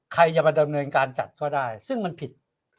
ใครจะมาดำเนินการจัดก็ได้ซึ่งมันผิด